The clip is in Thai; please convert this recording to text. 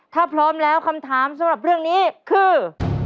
ถ้าพร้อมแล้วคำถามสำหรับเรื่องนี้คือ